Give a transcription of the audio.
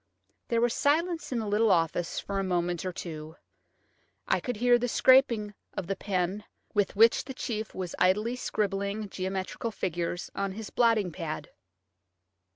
There was silence in the little office for a moment or two. I could hear the scraping of the pen with which the chief was idly scribbling geometrical figures on his blotting pad.